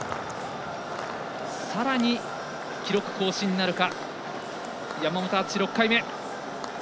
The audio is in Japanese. さらに記録更新なるか。